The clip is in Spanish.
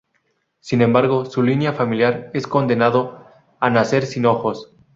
Sin embargo, su línea familiar es condenado a nacer sin ojos.